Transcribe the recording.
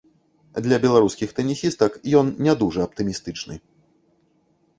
Для беларускіх тэнісістак ён не дужа аптымістычны.